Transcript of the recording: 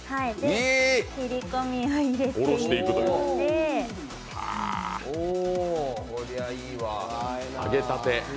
切り込みを入れていって揚げたて。